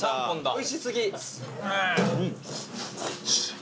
おいし過ぎ。